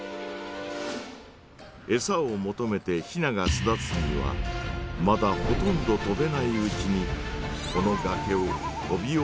エサを求めてヒナが巣立つにはまだほとんど飛べないうちにこのがけを飛び降りるしかないのです。